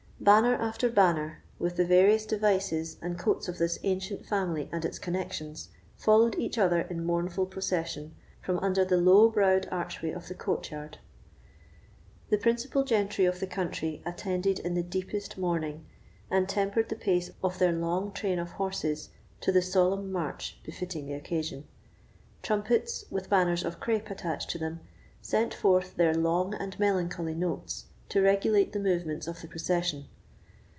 Banner after banner, with the various devices and coats of this ancient family and its connexions, followed each other in mournful procession from under the low browed archway of the courtyard. The principal gentry of the country attended in the deepest mourning, and tempered the pace of their long train of horses to the solemn march befitting the occasion. Trumpets, with banners of crape attached to them, sent forth their long and melancholy notes to regulate the movements of the procession.